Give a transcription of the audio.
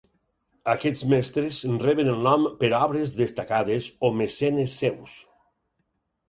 Aquests mestres reben el nom per obres destacades o mecenes seus.